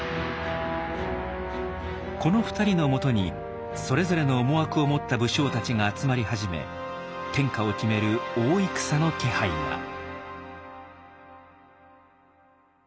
この２人のもとにそれぞれの思惑を持った武将たちが集まり始め天下を決める大戦の気配が。